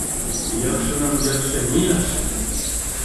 Яҡшынан яҡшы ни яҡшы?